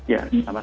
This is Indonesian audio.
ya sama sama mbak